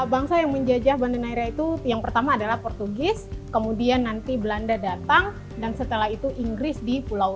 bangsa yang menjajah banda naira itu yang pertama adalah portugis kemudian nanti belanda datang dan setelah itu inggris di pulau